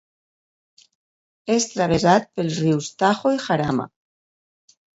És travessat pels rius Tajo i Jarama.